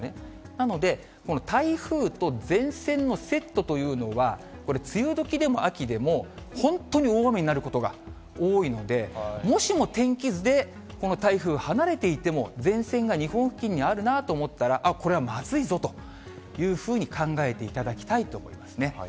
なので、この台風と前線のセットというのは、これ、梅雨どきでも秋でも本当に大雨になることが多いので、もしも、天気図でこの台風、離れていても、前線が日本付近にあるなと思ったら、あっ、これはまずいぞというふうに考えていただきたいと思いますね。